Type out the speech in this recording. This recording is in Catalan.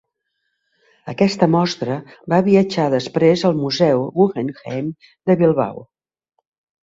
Aquesta mostra va viatjar després al Museu Guggenheim de Bilbao.